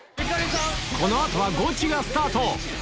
この後はゴチがスタート！